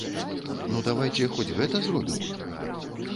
Ну давайце хоць гэта зробім?